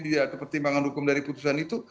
di dalam pertimbangan hukum dari putusan itu